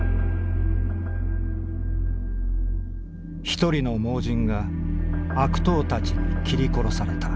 「一人の盲人が悪党たちに斬り殺された。